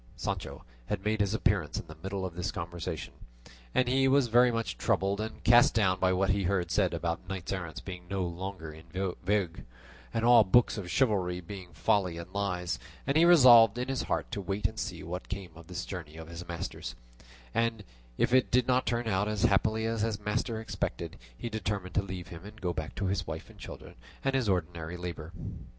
Sancho had made his appearance in the middle of this conversation, and he was very much troubled and cast down by what he heard said about knights errant being now no longer in vogue, and all books of chivalry being folly and lies; and he resolved in his heart to wait and see what came of this journey of his master's, and if it did not turn out as happily as his master expected, he determined to leave him and go back to his wife and children and his ordinary labour.